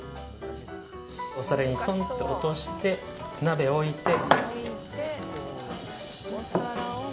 お皿にトンって落として鍋を置いて。